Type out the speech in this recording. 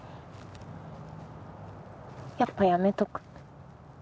やっぱやめとく。